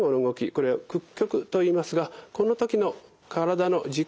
これを屈曲といいますがこの時の体の軸と腕の角度